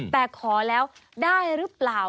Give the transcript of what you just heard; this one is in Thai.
แต่ขอแล้วได้หรือเปล่า